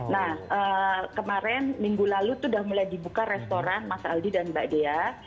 nah kemarin minggu lalu itu sudah mulai dibuka restoran mas aldi dan mbak dea